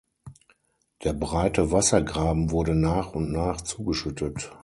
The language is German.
Der breite Wassergraben wurde nach und nach zugeschüttet.